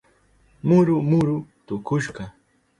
Muru muru tukushka.